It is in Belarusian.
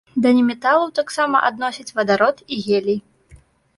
Да неметалаў таксама адносяць вадарод і гелій.